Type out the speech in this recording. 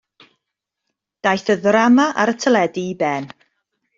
Daeth y ddrama ar y teledu i ben.